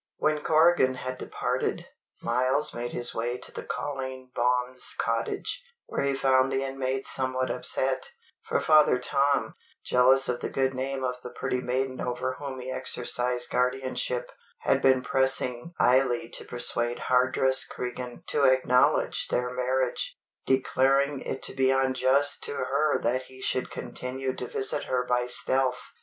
When Corrigan had departed, Myles made his way to the Colleen Bawn's cottage, where he found the inmates somewhat upset; for Father Tom, jealous of the good name of the pretty maiden over whom he exercised guardianship, had been pressing Eily to persuade Hardress Cregan to acknowledge their marriage, declaring it to be unjust to her that he should continue to visit her by stealth.